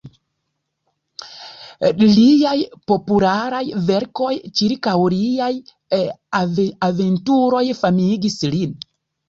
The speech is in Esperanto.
Liaj popularaj verkoj ĉirkaŭ liaj aventuroj famigis lin.